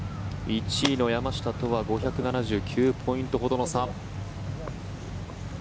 １位の山下とは５７９ポイントほどの差。